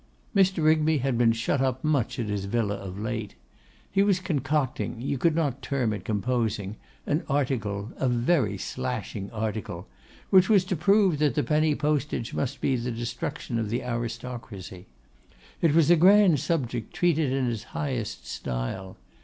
Mr. Rigby had been shut up much at his villa of late. He was concocting, you could not term it composing, an article, a 'very slashing article,' which was to prove that the penny postage must be the destruction of the aristocracy. It was a grand subject, treated in his highest style.